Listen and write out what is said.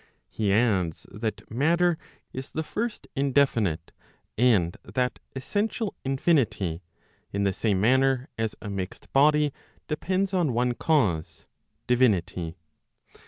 He adds, that matter is the first indefinite, and that essential infinity, in the same manner as a mixed body, depends on one cause, divinity.